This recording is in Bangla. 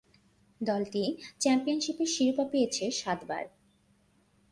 দলটি চ্যাম্পিয়নশীপের শিরোপা পেয়েছে সাতবার।